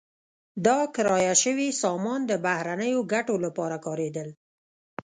دا کرایه شوې سازمان د بهرنیو ګټو لپاره کارېدل.